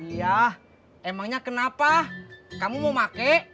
iya emangnya kenapa kamu mau pakai